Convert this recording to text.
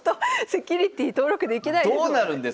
セキュリティー登録できないですよね。